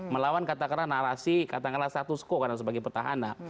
melawan katakanlah narasi katakanlah status quo karena sebagai petahana